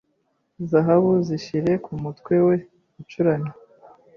zahabu zishyire ku mutwe we ucuramye